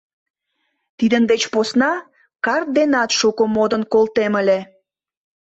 Тидын деч посна карт денат шуко модын колтем ыле.